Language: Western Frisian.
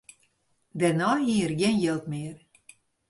Dêrnei hie er gjin jild mear.